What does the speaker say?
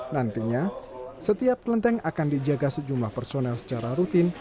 nantinya setiap klenteng akan dijaga sejumlah personel secara rutin